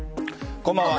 こんばんは。